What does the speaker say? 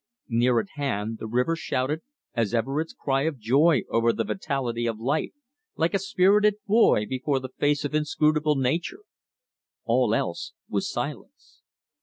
Near at hand the river shouted as ever its cry of joy over the vitality of life, like a spirited boy before the face of inscrutable nature. All else was silence.